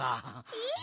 えっ？